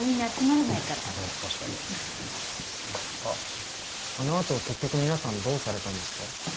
あっあの後結局皆さんどうされたんですか？